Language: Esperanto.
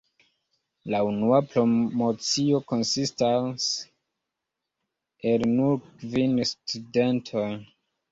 La unua promocio konsistas el nur kvin studentoj.